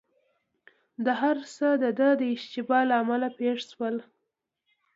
دا هرڅه دده د اشتباه له امله پېښ شول.